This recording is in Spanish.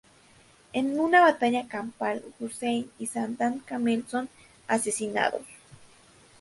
En una batalla campal, Husein y Sadam Kamel son asesinados.